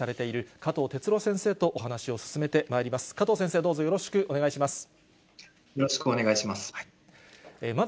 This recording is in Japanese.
加藤先生、どうぞよろしくお願いよろしくお願いします。